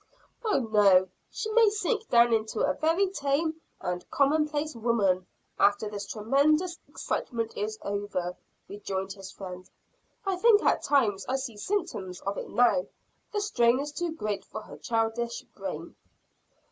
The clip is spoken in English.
"Oh, no, she may sink down into a very tame and commonplace woman, after this tremendous excitement is over," rejoined his friend. "I think at times I see symptoms of it now. The strain is too great for her childish brain."